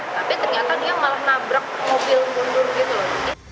tapi ternyata dia malah nabrak mobil mundur gitu loh